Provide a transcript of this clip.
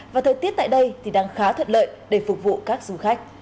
và thời tiết tại đây thì đang khá thuận lợi để phục vụ các du khách